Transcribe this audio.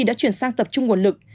đã chuyển sang tập trung nguồn lực